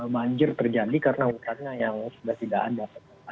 banjir terjadi karena hutannya yang sudah tidak ada